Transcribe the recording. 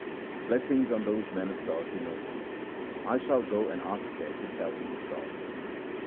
Blessings on those men of God who know Him. I shall go and ask them to tell me of God.